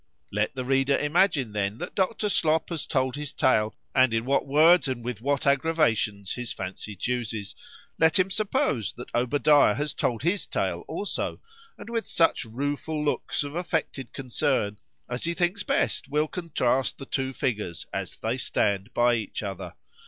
Let the reader imagine then, that Dr. Slop has told his tale—and in what words, and with what aggravations, his fancy chooses;—Let him suppose, that Obadiah has told his tale also, and with such rueful looks of affected concern, as he thinks best will contrast the two figures as they stand by each other.